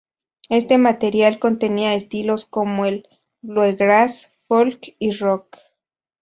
Este material contenía estilos como el bluegrass, folk y rock.